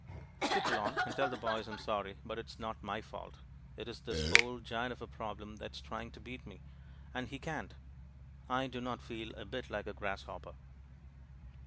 Skip along, and tell the boys I am sorry, but it is not my fault; it is this old giant of a problem that is trying to beat me; and he can't. I do not feel a bit like a grasshopper."